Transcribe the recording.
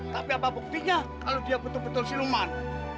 tapi apa buktinya kalau dia betul betul siluman